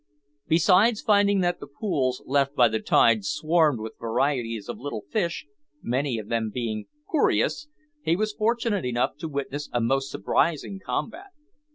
Besides finding that the pools left by the tide swarmed with varieties of little fish many of them being "coorious," he was fortunate enough to witness a most surprising combat.